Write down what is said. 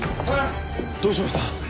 どうしました！？